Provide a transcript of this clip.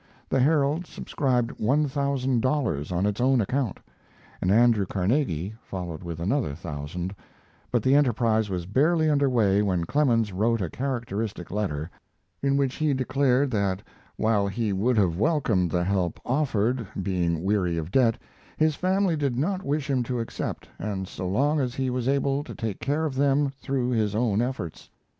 The Herald subscribed one thousand dollars on its own account, and Andrew Carnegie followed with another thousand, but the enterprise was barely under way when Clemens wrote a characteristic letter, in which he declared that while he would have welcomed the help offered, being weary of debt, his family did not wish him to accept and so long as he was able to take care of them through his own efforts.